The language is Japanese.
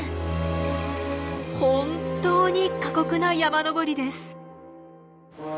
本当に過酷な山登りです。